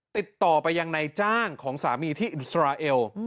ติดต่อไปยังในจ้างของสามีที่อิสราเอล